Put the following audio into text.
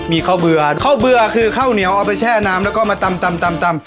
มีข้าวเบื่อข้าวเบื่อคือข้าวเหนียวเอาไปแช่น้ำแล้วก็มาตำตำ